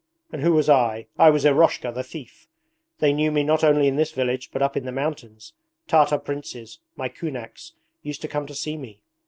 And who was I? I was Eroshka, the thief; they knew me not only in this village but up in the mountains. Tartar princes, my kunaks, used to come to see me!